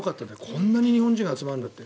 こんなに日本人が集まるんだって。